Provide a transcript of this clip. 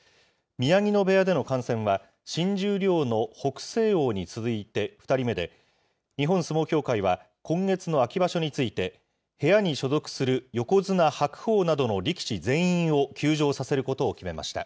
宮城野部屋での感染は、新十両の北青鵬に続いて、２人目で、日本相撲協会は今月の秋場所について、部屋に所属する横綱・白鵬などの力士全員を休場させることを決めました。